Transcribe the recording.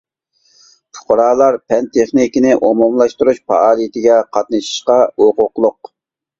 پۇقرالار پەن-تېخنىكىنى ئومۇملاشتۇرۇش پائالىيىتىگە قاتنىشىشقا ھوقۇقلۇق.